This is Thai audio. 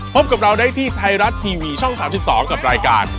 พบกับเราได้ที่ไทยรัฐทีวีช่อง๓๒กับรายการ